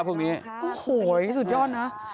โอ้โฮสุดยอดนะ